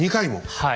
はい。